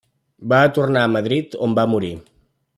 Va tornar a Madrid on va morir.